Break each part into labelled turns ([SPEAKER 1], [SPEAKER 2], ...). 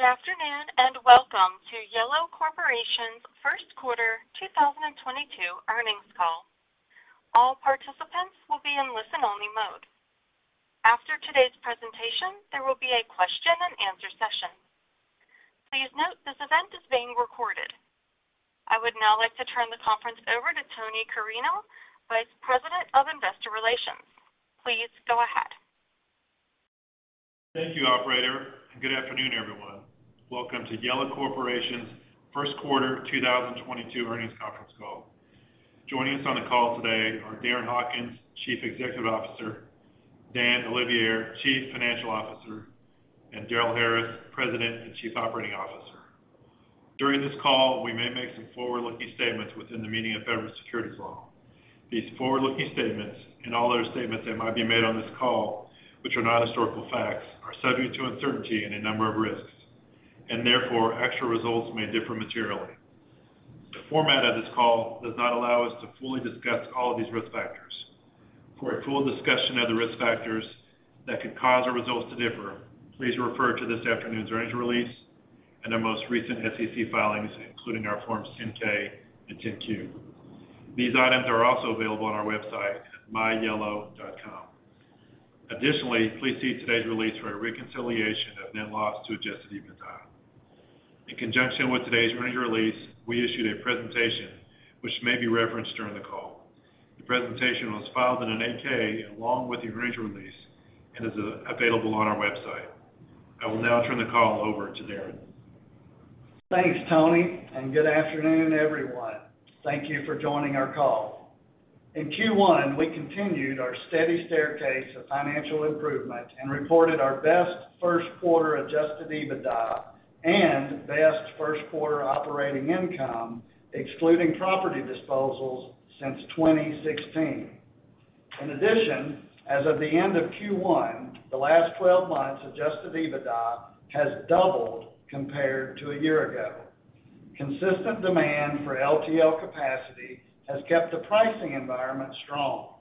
[SPEAKER 1] Good afternoon, and welcome to Yellow Corporation's Q1 2022 earnings call. All participants will be in listen-only mode. After today's presentation, there will be a question-and-answer session. Please note this event is being recorded. I would now like to turn the conference over to Tony Carreño, Vice President of Investor Relations. Please go ahead.
[SPEAKER 2] Thank you, operator, and good afternoon, everyone. Welcome to Yellow Corporation's Q1 2022 earnings conference call. Joining us on the call today are Darren Hawkins, Chief Executive Officer, Dan Olivier, Chief Financial Officer, and Darrel Harris, President and Chief Operating Officer. During this call, we may make some forward-looking statements within the meaning of federal securities law. These forward-looking statements, and all other statements that might be made on this call which are not historical facts, are subject to uncertainty and a number of risks, and therefore, actual results may differ materially. The format of this call does not allow us to fully discuss all of these risk factors. For a full discussion of the risk factors that could cause our results to differ, please refer to this afternoon's earnings release and our most recent SEC filings, including our Forms 10-K and 10-Q. These items are also available on our website at myyellow.com. Additionally, please see today's release for a reconciliation of net loss to adjusted EBITDA. In conjunction with today's earnings release, we issued a presentation which may be referenced during the call. The presentation was filed in an 8-K along with the earnings release and is available on our website. I will now turn the call over to Darren.
[SPEAKER 3] Thanks, Tony, and good afternoon, everyone. Thank you for joining our call. In Q1, we continued our steady staircase of financial improvement and reported our best Q1 adjusted EBITDA and best Q1 operating income, excluding property disposals since 2016. In addition, as of the end of Q1, the last twelve months adjusted EBITDA has doubled compared to a year ago. Consistent demand for LTL capacity has kept the pricing environment strong.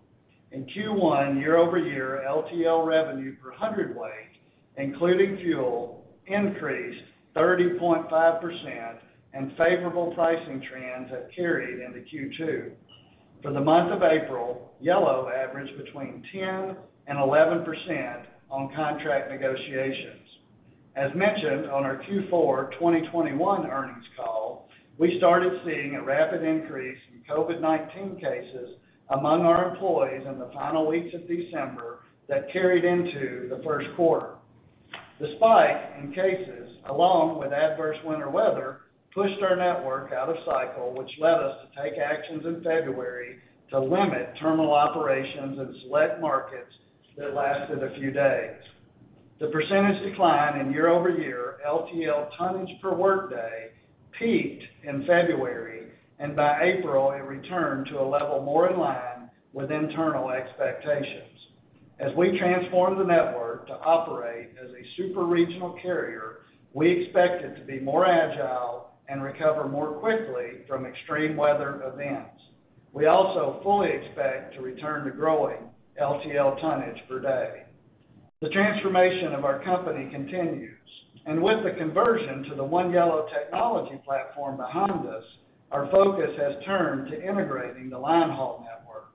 [SPEAKER 3] In Q1, year-over-year LTL revenue per hundredweight, including fuel, increased 30.5%, and favorable pricing trends have carried into Q2. For the month of April, Yellow averaged between 10%-11% on contract negotiations. As mentioned on our Q4 2021 earnings call, we started seeing a rapid increase in COVID-19 cases among our employees in the final weeks of December that carried into the Q1. The spike in cases, along with adverse winter weather, pushed our network out of cycle, which led us to take actions in February to limit terminal operations in select markets that lasted a few days. The percentage decline in year-over-year LTL tonnage per workday peaked in February, and by April, it returned to a level more in line with internal expectations. As we transform the network to operate as a super-regional carrier, we expect it to be more agile and recover more quickly from extreme weather events. We also fully expect to return to growing LTL tonnage per day. The transformation of our company continues, and with the conversion to the One Yellow technology platform behind us, our focus has turned to integrating the line haul network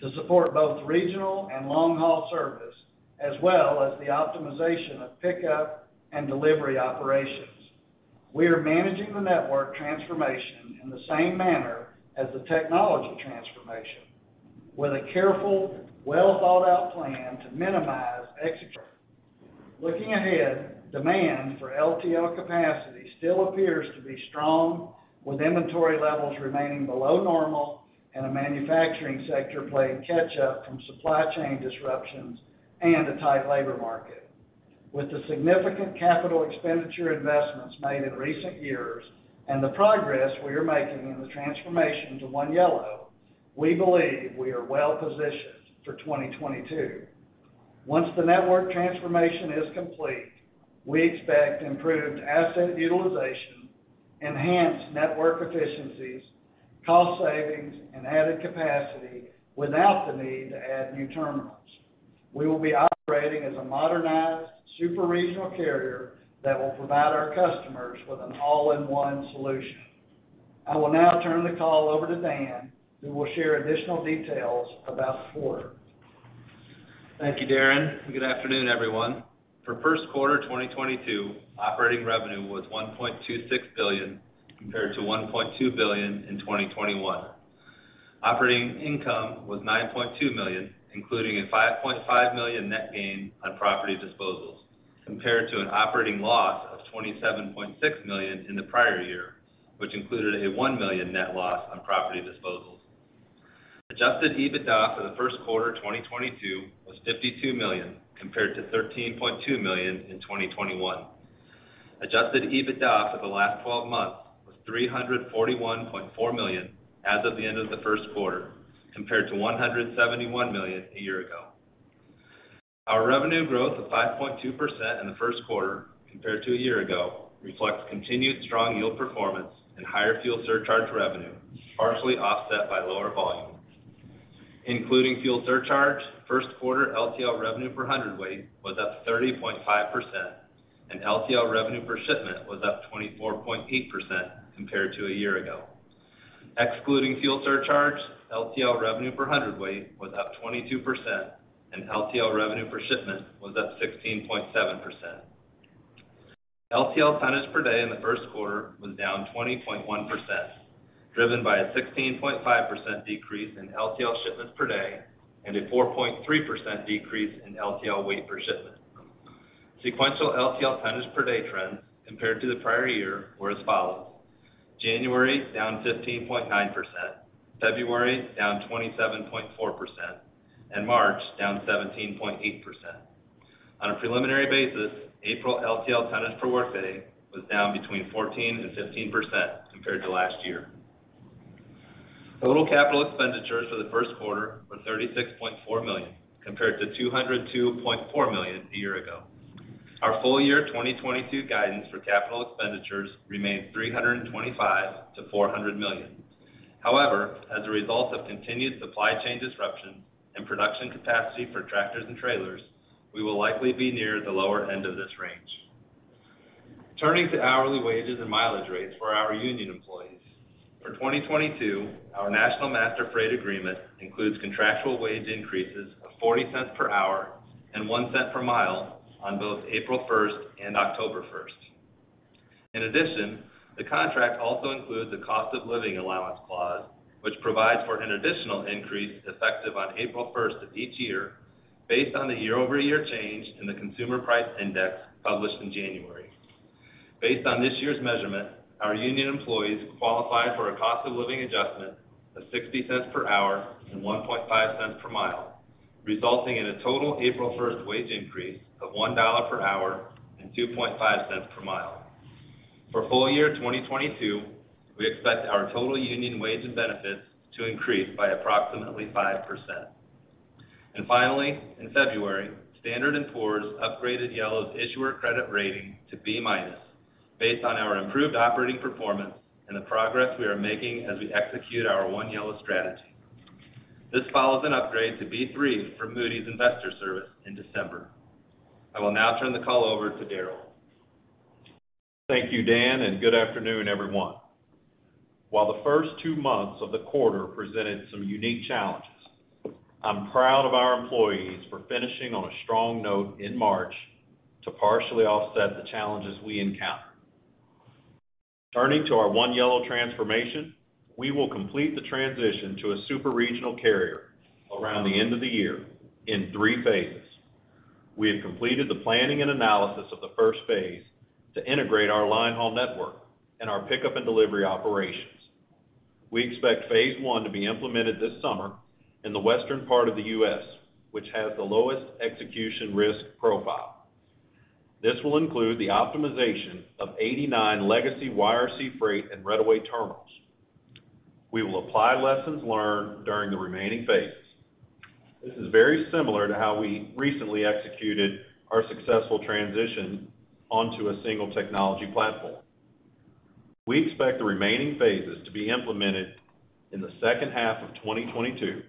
[SPEAKER 3] to support both regional and long-haul service, as well as the optimization of pickup and delivery operations. We are managing the network transformation in the same manner as the technology transformation, with a careful, well-thought-out plan to minimize execution. Looking ahead, demand for LTL capacity still appears to be strong, with inventory levels remaining below normal and a manufacturing sector playing catch up from supply chain disruptions and a tight labor market. With the significant capital expenditure investments made in recent years and the progress we are making in the transformation to One Yellow, we believe we are well positioned for 2022. Once the network transformation is complete, we expect improved asset utilization, enhanced network efficiencies, cost savings, and added capacity without the need to add new terminals. We will be operating as a modernized super-regional carrier that will provide our customers with an all-in-one solution. I will now turn the call over to Dan, who will share additional details about the quarter.
[SPEAKER 4] Thank you, Darren. Good afternoon, everyone. For Q1 2022, operating revenue was $1.26 billion, compared to $1.2 billion in 2021. Operating income was $9.2 million, including a $5.5 million net gain on property disposals, compared to an operating loss of $27.6 million in the prior year, which included a $1 million net loss on property disposals. Adjusted EBITDA for the Q1 2022 was $52 million, compared to $13.2 million in 2021. Adjusted EBITDA for the last twelve months was $341.4 million as of the end of the Q1, compared to $171 million a year ago. Our revenue growth of 5.2% in the Q1 compared to a year ago reflects continued strong yield performance and higher fuel surcharge revenue, partially offset by lower volume. Including fuel surcharge, Q1 LTL revenue per hundredweight was up 30.5%, and LTL revenue per shipment was up 24.8% compared to a year ago. Excluding fuel surcharge, LTL revenue per hundredweight was up 22% and LTL revenue per shipment was up 16.7%. LTL tonnage per day in the Q1 was down 20.1%, driven by a 16.5% decrease in LTL shipments per day and a 4.3% decrease in LTL weight per shipment. Sequential LTL tonnage per day trends compared to the prior year were as follows: January, down 15.9%, February, down 27.4%, and March, down 17.8%. On a preliminary basis, April LTL tonnage per workday was down between 14% and 15% compared to last year. Total capital expenditures for the Q1 were $36.4 million, compared to $202.4 million a year ago. Our full year 2022 guidance for capital expenditures remains $325 million-$400 million. However, as a result of continued supply chain disruption and production capacity for tractors and trailers, we will likely be near the lower end of this range. Turning to hourly wages and mileage rates for our union employees. For 2022, our National Master Freight Agreement includes contractual wage increases of $0.40 per hour and $0.01 per mile on both April first and October first. In addition, the contract also includes a cost of living allowance clause, which provides for an additional increase effective on April first of each year based on the year-over-year change in the consumer price index published in January. Based on this year's measurement, our union employees qualify for a cost of living adjustment of $0.60 per hour and $0.015 per mile, resulting in a total April first wage increase of $1 per hour and $0.025 per mile. For full year 2022, we expect our total union wage and benefits to increase by approximately 5%. Finally, in February, Standard & Poor's upgraded Yellow's issuer credit rating to B minus based on our improved operating performance and the progress we are making as we execute our One Yellow strategy. This follows an upgrade to B three for Moody's Investors Service in December. I will now turn the call over to Darrel.
[SPEAKER 5] Thank you, Dan, and good afternoon, everyone. While the first two months of the quarter presented some unique challenges, I'm proud of our employees for finishing on a strong note in March to partially offset the challenges we encountered. Turning to our One Yellow transformation, we will complete the transition to a super-regional carrier around the end of the year in Phase III. We have completed the planning and analysis of the Phase I to integrate our line haul network and our pickup and delivery operations. We expect Phase II to be implemented this summer in the western part of the U.S., which has the lowest execution risk profile. This will include the optimization of 89 legacy YRC Freight and Roadway terminals. We will apply lessons learned during the remaining phases. This is very similar to how we recently executed our successful transition onto a single technology platform. We expect the remaining phases to be implemented in the H2 of 2022,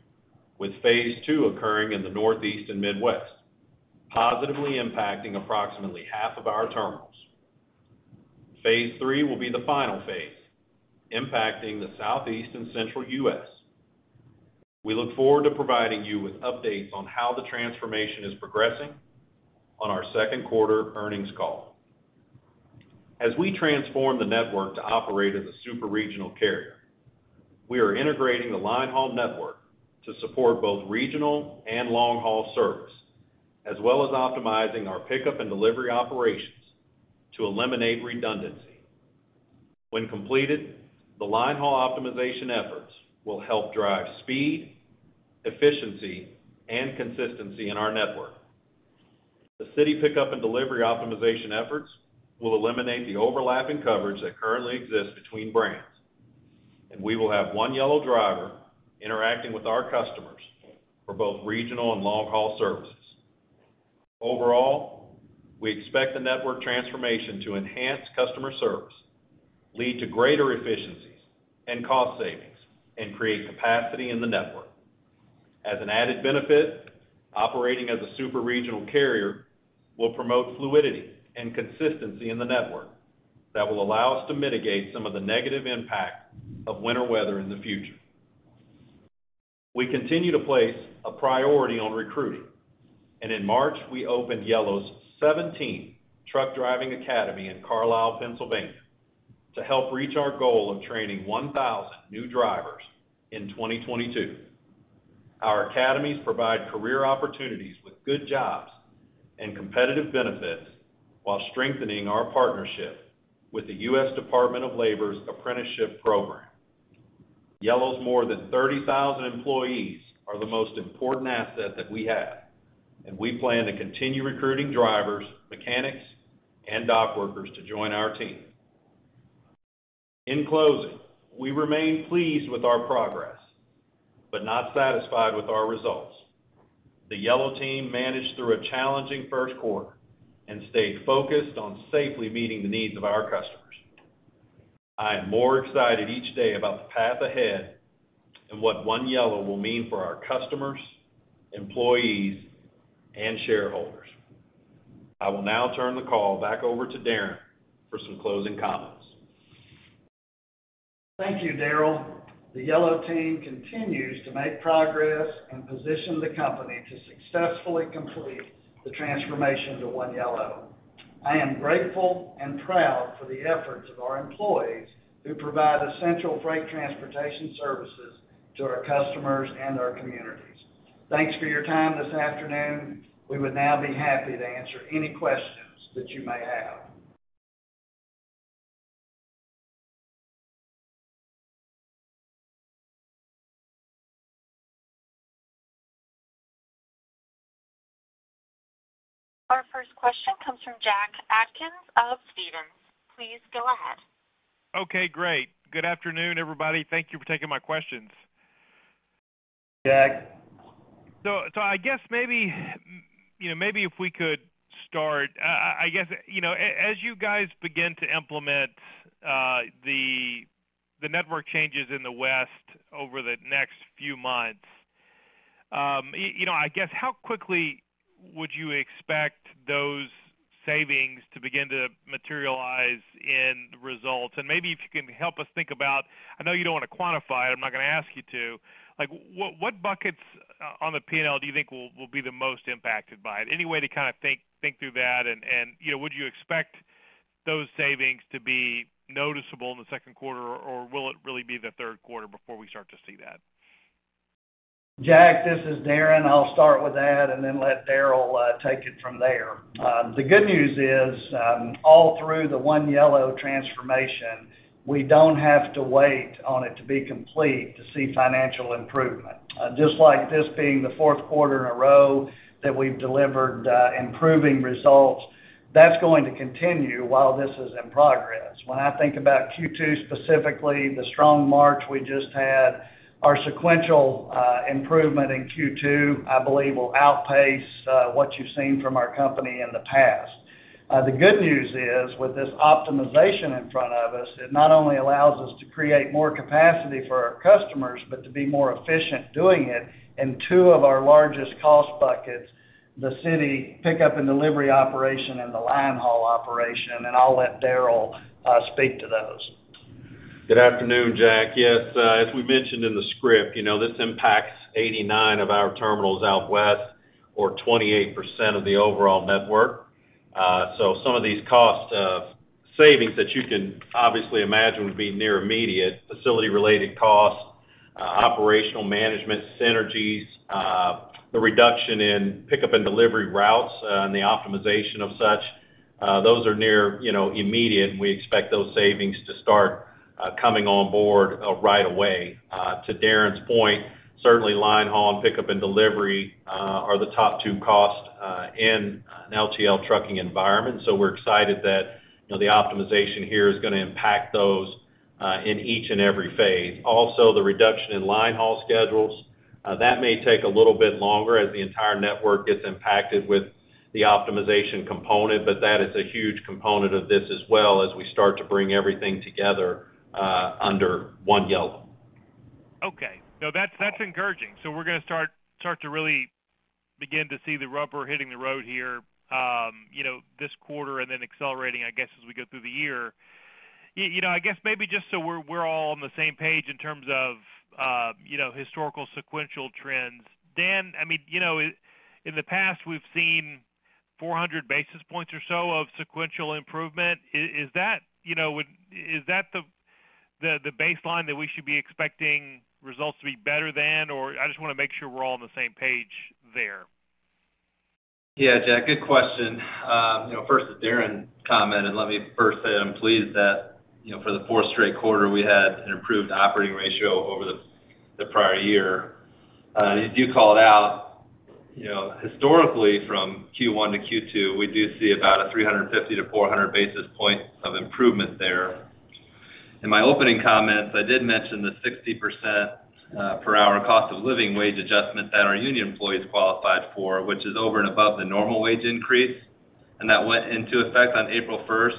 [SPEAKER 5] with Phase II occurring in the Northeast and Midwest, positively impacting approximately half of our terminals. Phase III will be the final phase, impacting the Southeast and Central U.S. We look forward to providing you with updates on how the transformation is progressing on our Q2 earnings call. As we transform the network to operate as a super-regional carrier, we are integrating the line haul network to support both regional and long-haul service, as well as optimizing our pickup and delivery operations to eliminate redundancy. When completed, the line haul optimization efforts will help drive speed, efficiency, and consistency in our network. The city pickup and delivery optimization efforts will eliminate the overlapping coverage that currently exists between brands, and we will have one Yellow driver interacting with our customers for both regional and long-haul services. Overall, we expect the network transformation to enhance customer service, lead to greater efficiencies and cost savings, and create capacity in the network. As an added benefit, operating as a super-regional carrier will promote fluidity and consistency in the network that will allow us to mitigate some of the negative impact of winter weather in the future. We continue to place a priority on recruiting, and in March, we opened Yellow's seventeenth truck driving academy in Carlisle, Pennsylvania, to help reach our goal of training 1,000 new drivers in 2022. Our academies provide career opportunities with good jobs and competitive benefits while strengthening our partnership with the U.S. Department of Labor's Apprenticeship Program. Yellow's more than 30,000 employees are the most important asset that we have, and we plan to continue recruiting drivers, mechanics, and dock workers to join our team. In closing, we remain pleased with our progress, but not satisfied with our results. The Yellow team managed through a challenging Q1 and stayed focused on safely meeting the needs of our customers. I am more excited each day about the path ahead and what One Yellow will mean for our customers, employees, and shareholders. I will now turn the call back over to Darren for some closing comments.
[SPEAKER 3] Thank you, Darrel. The Yellow team continues to make progress and position the company to successfully complete the transformation to One Yellow. I am grateful and proud for the efforts of our employees who provide essential freight transportation services to our customers and our communities. Thanks for your time this afternoon. We would now be happy to answer any questions that you may have.
[SPEAKER 1] Our first question comes from Jack Atkins of Stephens. Please go ahead.
[SPEAKER 6] Okay, great. Good afternoon, everybody. Thank you for taking my questions.
[SPEAKER 3] Jack.
[SPEAKER 6] I guess maybe if we could start, I guess as you guys begin to implement the network changes in the West over the next few months I guess how quickly would you expect those savings to begin to materialize in the results? Maybe if you can help us think about, I know you don't want to quantify it, I'm not going to ask you to. Like, what buckets on the P&L do you think will be the most impacted by it? Any way to kind of think through that and would you expect those savings to be noticeable in the Q2, or will it really be the Q3 before we start to see that?
[SPEAKER 3] Jack, this is Darren. I'll start with that and then let Darrell take it from there. The good news is, all through the One Yellow transformation, we don't have to wait on it to be complete to see financial improvement. Just like this being the Q4 in a row that we've delivered improving results, that's going to continue while this is in progress. When I think about Q2 specifically, the strong March we just had, our sequential improvement in Q2, I believe, will outpace what you've seen from our company in the past. The good news is, with this optimization in front of us, it not only allows us to create more capacity for our customers, but to be more efficient doing it in two of our largest cost buckets, the city pickup and delivery operation and the line haul operation. I'll let Darrell speak to those.
[SPEAKER 5] Good afternoon, Jack. Yes, as we mentioned in the script this impacts 89 of our terminals out west or 28% of the overall network. Some of these cost savings that you can obviously imagine would be near immediate, facility-related costs, operational management synergies, the reduction in pickup and delivery routes, and the optimization of such, those are near immediate, and we expect those savings to start coming on board right away. To Darren's point, certainly line haul and pickup and delivery are the top two costs in an LTL trucking environment. We're excited that the optimization here is gonna impact those in each and every phase. Also, the reduction in line haul schedules, that may take a little bit longer as the entire network gets impacted with the optimization component, but that is a huge component of this as well as we start to bring everything together, under One Yellow.
[SPEAKER 6] Okay. No, that's encouraging. We're gonna start to really begin to see the rubber hitting the road here this quarter and then accelerating, I guess, as we go through the year. I guess maybe just so we're all on the same page in terms of historical sequential trends. Dan, I mean in the past, we've seen 400 basis points or so of sequential improvement. Is that the baseline that we should be expecting results to be better than? I just wanna make sure we're all on the same page there.
[SPEAKER 4] Yeah, Jack, good question. first to Darren's comment, and let me first say I'm pleased that for the fourth straight quarter, we had an improved operating ratio over the prior year. As you called out historically from Q1 to Q2, we do see about a 350-400 basis points of improvement there. In my opening comments, I did mention the 60% per hour cost of living wage adjustment that our union employees qualified for, which is over and above the normal wage increase, and that went into effect on April first.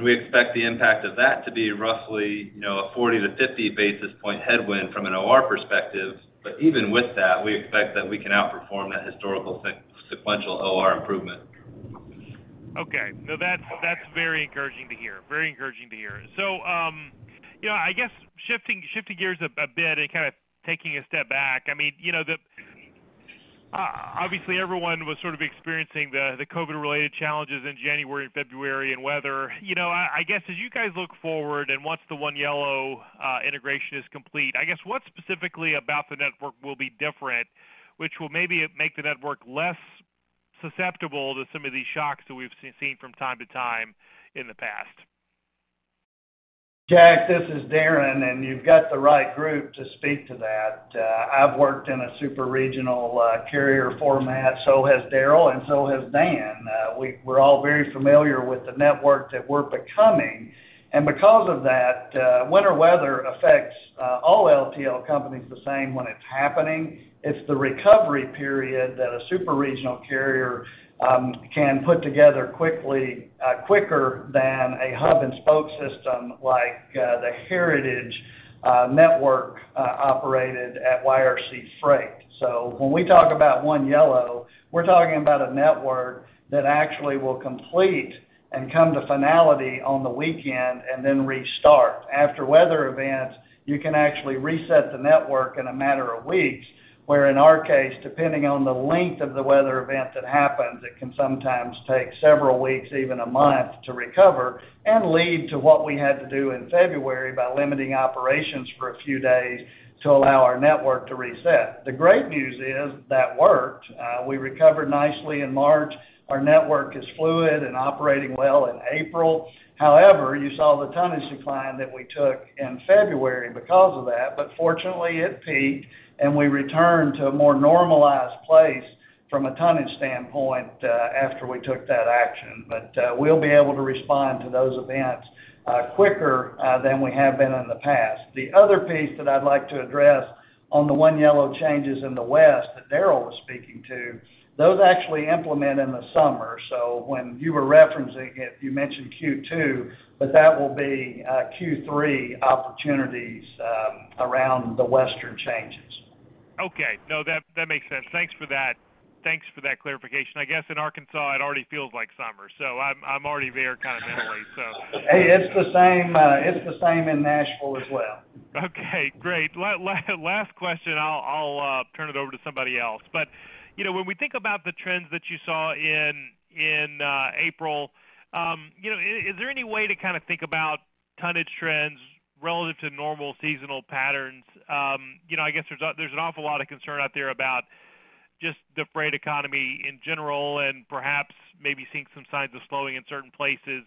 [SPEAKER 4] We expect the impact of that to be roughly a 40-50 basis point headwind from an OR perspective. But even with that, we expect that we can outperform that historical sequential OR improvement.
[SPEAKER 6] Okay. No, that's very encouraging to hear. I guess shifting gears a bit and kinda taking a step back. I mean obviously, everyone was sort of experiencing the COVID-related challenges in January and February and weather. I guess as you guys look forward and once the One Yellow integration is complete, I guess, what specifically about the network will be different, which will maybe make the network less susceptible to some of these shocks that we've seen from time to time in the past?
[SPEAKER 3] Jack, this is Darren, and you've got the right group to speak to that. I've worked in a super-regional carrier format, so has Darrel and so has Dan. We're all very familiar with the network that we're becoming. Because of that, winter weather affects all LTL companies the same when it's happening. It's the recovery period that a super-regional carrier can put together quickly, quicker than a hub and spoke system like the Heritage network operated at YRC Freight. When we talk about One Yellow, we're talking about a network that actually will complete and come to finality on the weekend and then restart. After weather events, you can actually reset the network in a matter of weeks. Where in our case, depending on the length of the weather event that happens, it can sometimes take several weeks, even a month, to recover and lead to what we had to do in February by limiting operations for a few days to allow our network to reset. The great news is that worked. We recovered nicely in March. Our network is fluid and operating well in April. However, you saw the tonnage decline that we took in February because of that. Fortunately, it peaked, and we returned to a more normalized place from a tonnage standpoint, after we took that action. We'll be able to respond to those events, quicker than we have been in the past. The other piece that I'd like to address on the One Yellow changes in the West that Darrell was speaking to, those actually implement in the summer. When you were referencing it, you mentioned Q2, but that will be Q3 opportunities around the Western changes.
[SPEAKER 6] Okay. No, that makes sense. Thanks for that. Thanks for that clarification. I guess in Arkansas it already feels like summer, so I'm already there mentally.
[SPEAKER 3] Hey, it's the same in Nashville as well.
[SPEAKER 6] Okay, great. Last question, I'll turn it over to somebody else. when we think about the trends that you saw in April, is there any way to kinda think about tonnage trends relative to normal seasonal patterns? I guess there's an awful lot of concern out there about just the freight economy in general and perhaps maybe seeing some signs of slowing in certain places.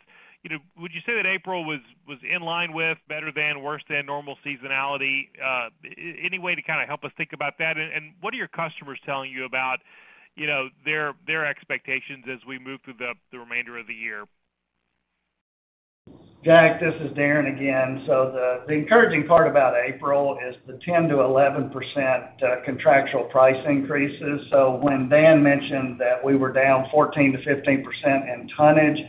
[SPEAKER 6] would you say that April was in line with better than, worse than normal seasonality? Any way to kinda help us think about that? What are your customers telling you about their expectations as we move through the remainder of the year?
[SPEAKER 3] Jack, this is Darren again. The encouraging part about April is the 10%-11% contractual price increases. When Dan mentioned that we were down 14%-15% in tonnage,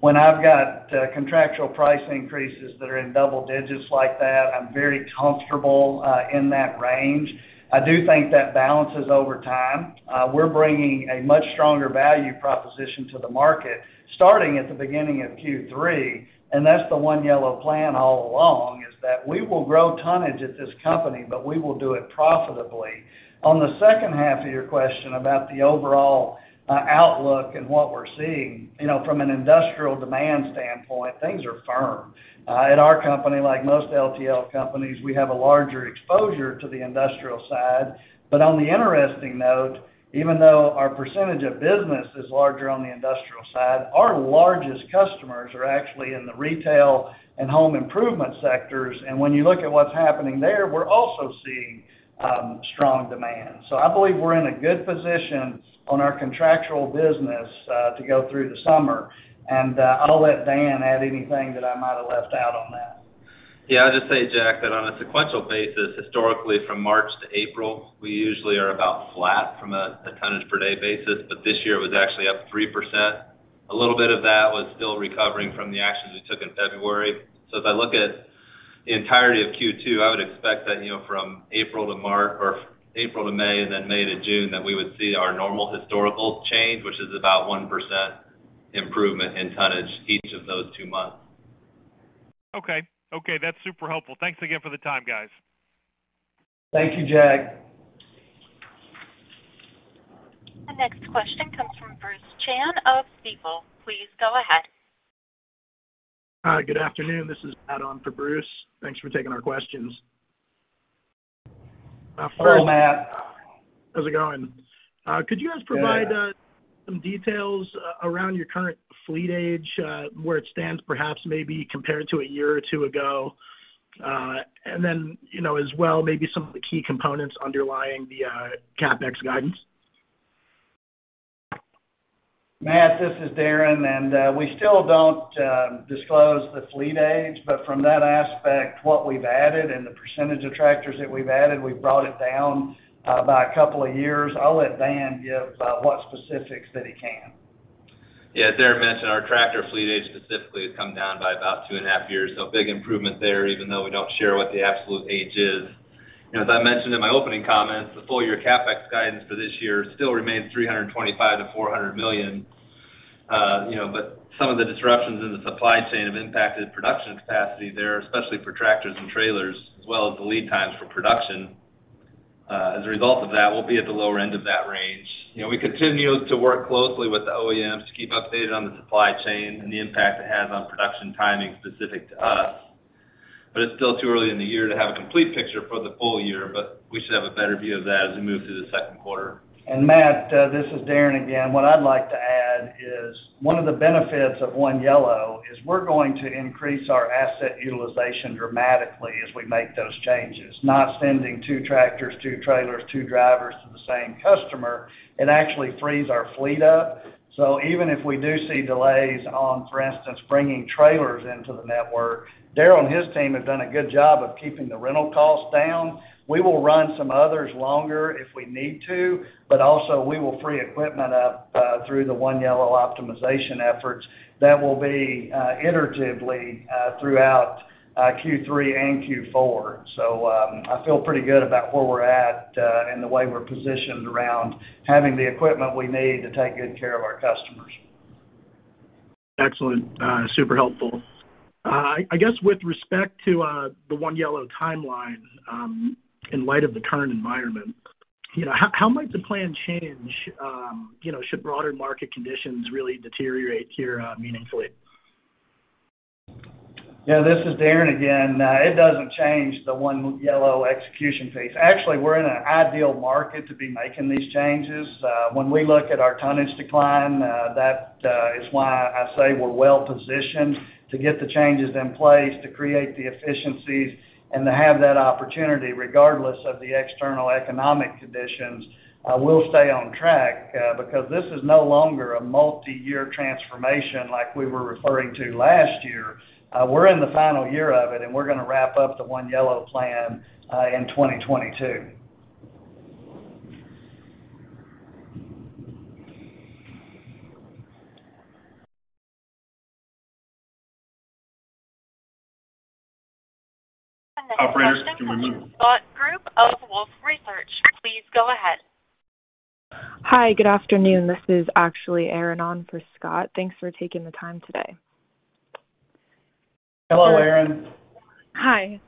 [SPEAKER 3] when I've got contractual price increases that are in double digits like that, I'm very comfortable in that range. I do think that balances over time. We're bringing a much stronger value proposition to the market starting at the beginning of Q3, and that's the One Yellow plan all along, is that we will grow tonnage at this company, but we will do it profitably. On the H2 of your question about the overall outlook and what we're seeing from an industrial demand standpoint, things are firm. At our company, like most LTL companies, we have a larger exposure to the industrial side. On the interesting note, even though our percentage of business is larger on the industrial side, our largest customers are actually in the retail and home improvement sectors. When you look at what's happening there, we're also seeing strong demand. I believe we're in a good position on our contractual business to go through the summer. I'll let Dan add anything that I might have left out on that.
[SPEAKER 4] Yeah, I'll just say, Jack, that on a sequential basis, historically from March to April, we usually are about flat from a tonnage per day basis, but this year was actually up 3%. A little bit of that was still recovering from the actions we took in February. If I look at the entirety of Q2, I would expect that from April to May and then May to June, that we would see our normal historical change, which is about 1% improvement in tonnage each of those two months.
[SPEAKER 6] Okay. Okay, that's super helpful. Thanks again for the time, guys.
[SPEAKER 3] Thank you, Jack.
[SPEAKER 1] The next question comes from J. Bruce Chan of Stifel. Please go ahead.
[SPEAKER 7] Hi, good afternoon. This is Matt on for Bruce. Thanks for taking our questions. First-
[SPEAKER 3] Hello, Matt.
[SPEAKER 7] How's it going? Could you guys provide-
[SPEAKER 3] Good.
[SPEAKER 7] Some details around your current fleet age, where it stands perhaps maybe compared to a year or two ago? as well, maybe some of the key components underlying the CapEx guidance.
[SPEAKER 3] Matt, this is Darren. We still don't disclose the fleet age, but from that aspect, what we've added and the percentage of tractors that we've added, we've brought it down by a couple of years. I'll let Dan give what specifics that he can.
[SPEAKER 4] Yeah, as Darren mentioned, our tractor fleet age specifically has come down by about two and a half years. Big improvement there, even though we don't share what the absolute age is. as I mentioned in my opening comments, the full year CapEx guidance for this year still remains $325 million-$400 million. but some of the disruptions in the supply chain have impacted production capacity there, especially for tractors and trailers, as well as the lead times for production. As a result of that, we'll be at the lower end of that range. we continue to work closely with the OEMs to keep updated on the supply chain and the impact it has on production timing specific to us. It's still too early in the year to have a complete picture for the full year, but we should have a better view of that as we move through the Q2.
[SPEAKER 3] Matt, this is Darren again. What I'd like to add. One of the benefits of One Yellow is we're going to increase our asset utilization dramatically as we make those changes. Not sending two tractors, two trailers, two drivers to the same customer, it actually frees our fleet up. Even if we do see delays in, for instance, bringing trailers into the network, Darrell and his team have done a good job of keeping the rental costs down. We will run some others longer if we need to, but also we will free equipment up through the One Yellow optimization efforts that will be iteratively throughout Q3 and Q4. I feel pretty good about where we're at and the way we're positioned around having the equipment we need to take good care of our customers.
[SPEAKER 7] Excellent. Super helpful. I guess with respect to the One Yellow timeline, in light of the current environment how might the plan change should broader market conditions really deteriorate here, meaningfully?
[SPEAKER 3] Yeah, this is Darren again. It doesn't change the One Yellow execution phase. Actually, we're in an ideal market to be making these changes. When we look at our tonnage decline, that is why I say we're well positioned to get the changes in place to create the efficiencies and to have that opportunity regardless of the external economic conditions, will stay on track, because this is no longer a multi-year transformation like we were referring to last year. We're in the final year of it, and we're gonna wrap up the One Yellow plan in 2022.
[SPEAKER 7] Operator, you can remove me.
[SPEAKER 1] The next question comes from Scott Group of Wolfe Research. Please go ahead.
[SPEAKER 8] Hi, good afternoon. This is actually Erin Awn for Scott. Thanks for taking the time today.
[SPEAKER 3] Hello, Erin.
[SPEAKER 8] Hi.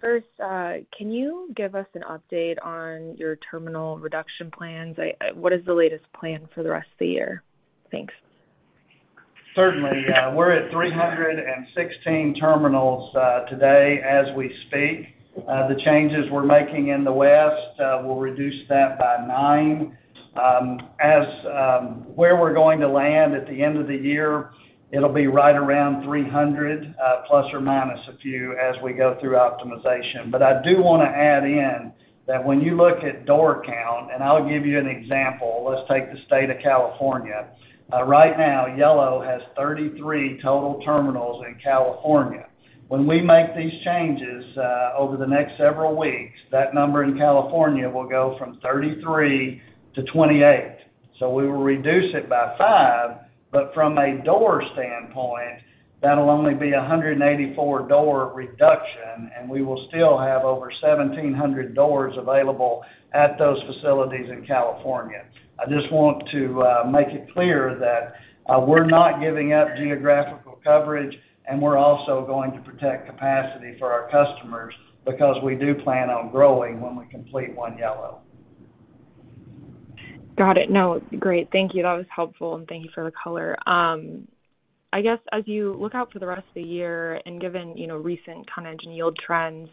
[SPEAKER 8] First, can you give us an update on your terminal reduction plans? What is the latest plan for the rest of the year? Thanks.
[SPEAKER 3] Certainly. We're at 316 terminals today as we speak. The changes we're making in the West will reduce that by 9. Where we're going to land at the end of the year, it'll be right around 300 plus or minus a few as we go through optimization. I do wanna add in that when you look at door count, and I'll give you an example. Let's take the state of California. Right now, Yellow has 33 total terminals in California. When we make these changes over the next several weeks, that number in California will go from 33 to 28. We will reduce it by 5, but from a door standpoint, that'll only be a 184 door reduction, and we will still have over 1,700 doors available at those facilities in California. I just want to make it clear that we're not giving up geographical coverage, and we're also going to protect capacity for our customers because we do plan on growing when we complete One Yellow.
[SPEAKER 8] Got it. No. Great. Thank you. That was helpful, and thank you for the color. I guess as you look out for the rest of the year and given recent tonnage and yield trends,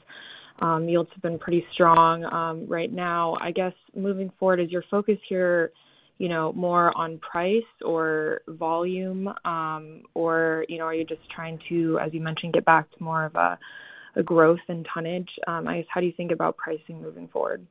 [SPEAKER 8] yields have been pretty strong right now. I guess moving forward is your focus here more on price or volume? are you just trying to, as you mentioned, get back to more of a growth in tonnage? How do you think about pricing moving forward?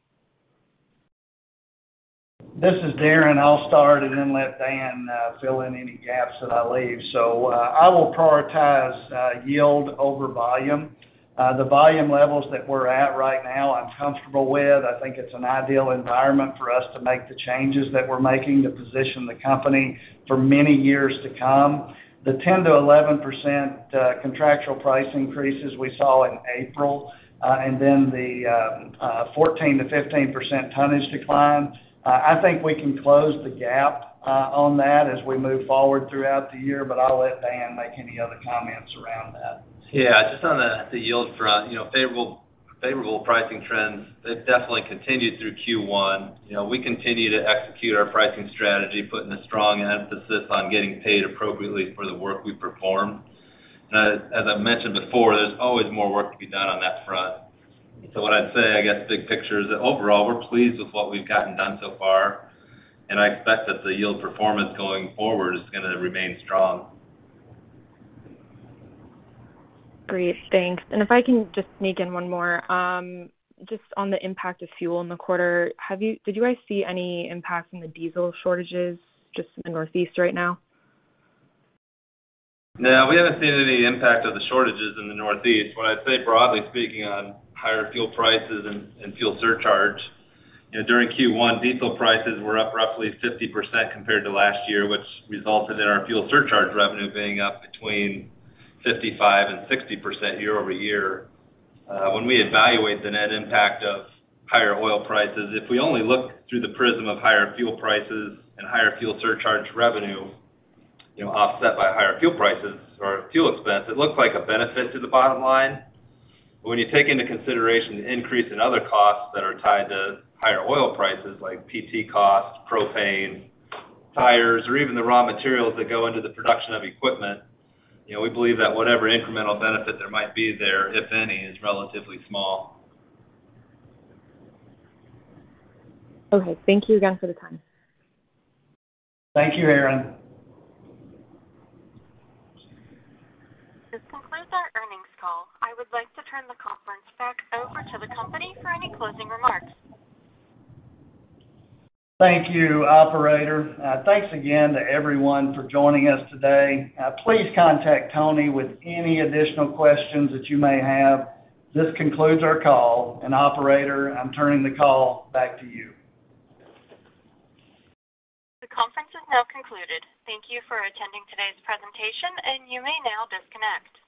[SPEAKER 3] This is Darren. I'll start and then let Dan fill in any gaps that I leave. I will prioritize yield over volume. The volume levels that we're at right now, I'm comfortable with. I think it's an ideal environment for us to make the changes that we're making to position the company for many years to come. The 10%-11% contractual price increases we saw in April and then the 14%-15% tonnage decline, I think we can close the gap on that as we move forward throughout the year, but I'll let Dan make any other comments around that.
[SPEAKER 4] Yeah. Just on the yield front favorable pricing trends, they've definitely continued through Q1. we continue to execute our pricing strategy, putting a strong emphasis on getting paid appropriately for the work we perform. Now, as I mentioned before, there's always more work to be done on that front. What I'd say, I guess, big picture is that overall, we're pleased with what we've gotten done so far, and I expect that the yield performance going forward is gonna remain strong.
[SPEAKER 8] Great. Thanks. If I can just sneak in one more. Just on the impact of fuel in the quarter, did you guys see any impact from the diesel shortages just in the Northeast right now?
[SPEAKER 4] No, we haven't seen any impact of the shortages in the Northeast. When I say broadly speaking on higher fuel prices and fuel surcharge during Q1, diesel prices were up roughly 50% compared to last year, which resulted in our fuel surcharge revenue being up between 55% and 60% year-over-year. When we evaluate the net impact of higher oil prices, if we only look through the prism of higher fuel prices and higher fuel surcharge revenue offset by higher fuel prices or fuel expense, it looks like a benefit to the bottom line. when you take into consideration the increase in other costs that are tied to higher oil prices like PT costs, propane, tires, or even the raw materials that go into the production of equipment we believe that whatever incremental benefit there might be there, if any, is relatively small.
[SPEAKER 8] Okay. Thank you again for the time.
[SPEAKER 3] Thank you, Erin.
[SPEAKER 1] This concludes our earnings call. I would like to turn the conference back over to the company for any closing remarks.
[SPEAKER 3] Thank you, operator. Thanks again to everyone for joining us today. Please contact Tony with any additional questions that you may have. This concludes our call, and operator, I'm turning the call back to you.
[SPEAKER 1] The conference has now concluded. Thank you for attending today's presentation, and you may now disconnect.